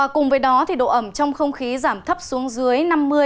cùng với đó độ ẩm trong không khí giảm thấp xuống dưới năm mươi năm mươi năm